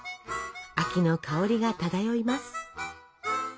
秋の香りが漂います。